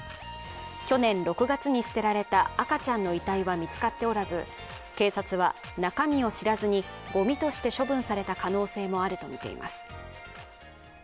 去年６月に捨てられた赤ちゃんの遺体は、見つかっておらず、警察は中身を知らずにごみとして処分された可能性もあるとみています。